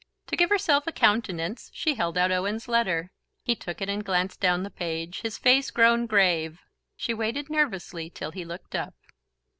To give herself a countenance she held out Owen's letter. He took it and glanced down the page, his face grown grave. She waited nervously till he looked up.